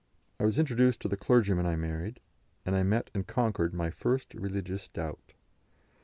I was introduced to the clergyman I married, and I met and conquered my first religious doubt.